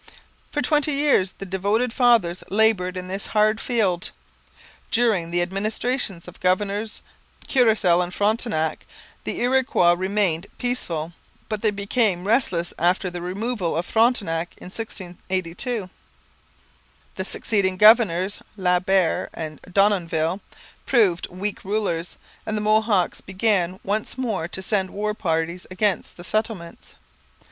For twenty years the devoted fathers laboured in this hard field. During the administrations of the governors Courcelle and Frontenac the Iroquois remained peaceable, but they became restless after the removal of Frontenac in 1682. The succeeding governors, La Barre and Denonville, proved weak rulers, and the Mohawks began once more to send war parties against the settlements.